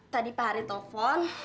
tadi pak hari telepon